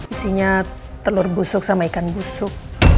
isinya telur busuk sama ikan busuk